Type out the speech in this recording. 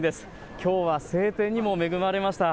きょうは晴天にも恵まれました。